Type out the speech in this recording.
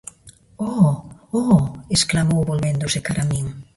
-Oh, oh! -exclamou volvéndose cara a min-.